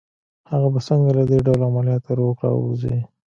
هغه به څنګه له دې ډول عملياته روغ را ووځي